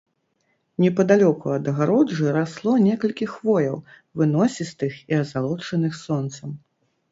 Непадалёку ад агароджы расло некалькі хвояў, выносістых і азалочаных сонцам.